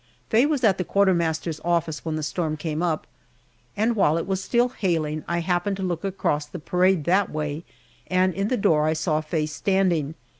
Faye was at the quartermaster's office when the storm came up, and while it was still hailing I happened to look across the parade that way, and in the door I saw Faye standing.